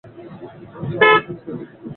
আমি সাহায্যের জন্য এখানে আছি তো।